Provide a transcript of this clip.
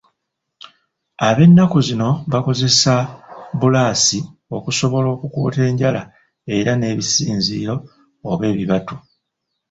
Ab'ennaku zino bakozesa bbulaasi okusobola okukuuta enjala era n'ebisinziiro oba ebibatu.